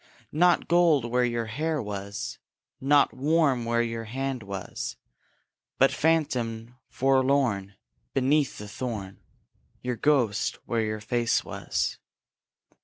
Nought gold where your hair was; Nought warm where your hand was; But phantom, forlorn, Beneath the thorn, Your ghost where your face was.